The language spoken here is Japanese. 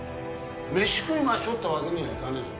「飯食いましょう」ってわけにはいかねえぞ。